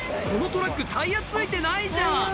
このトラックタイヤ付いてないじゃん！